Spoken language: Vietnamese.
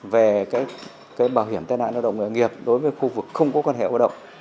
về cái bảo hiểm tai nạn lao động nghề nghiệp đối với khu vực không có quan hệ lao động